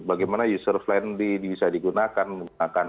bagaimana user friendly bisa digunakan menggunakan it dan sebagainya